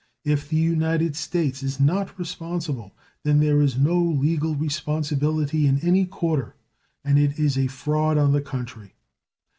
If the United States is not responsible, then there is no legal responsibility in any quarter, and it is a fraud on the country.